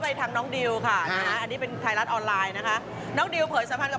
ละครกลางคืนไม่ต้องดูแลนี่ช้าถึงเย็น